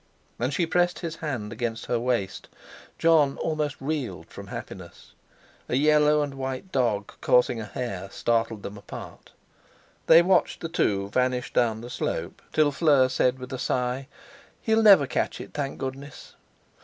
And she pressed his hand against her waist. Jon almost reeled from happiness. A yellow and white dog coursing a hare startled them apart. They watched the two vanish down the slope, till Fleur said with a sigh: "He'll never catch it, thank goodness!